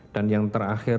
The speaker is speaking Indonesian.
dan yang terakhir